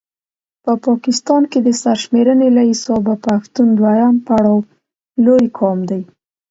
په پاکستان کې د سر شميرني له حسابه پښتون دویم پړاو لوي قام دی